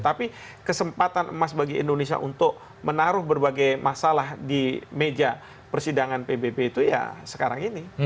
tapi kesempatan emas bagi indonesia untuk menaruh berbagai masalah di meja persidangan pbb itu ya sekarang ini